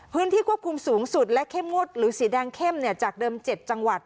พื้นที่ควบคุมสูงสุดและเข้มงวดหรือสีแดงเข้มจากเดิม๗จังหวัด